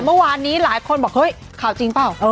เมื่อวานนี้หลายคนบอกเฮ้ยข่าวจริงเปล่า